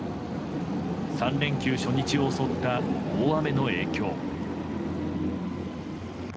３連休初日を襲った大雨の影響。